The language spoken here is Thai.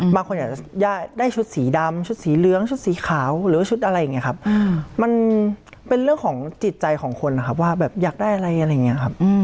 บางคนอยากจะได้ชุดสีดำชุดสีเหลืองชุดสีขาวหรือว่าชุดอะไรอย่างนี้ครับมันเป็นเรื่องของจิตใจของคนนะครับว่าแบบอยากได้อะไรอะไรอย่างนี้ครับ